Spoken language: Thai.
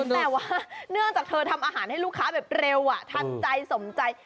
แต่ว่าเนื่องจากเธอทำอาหารให้ลูกค้าแบบเร็วทันใจสมใจ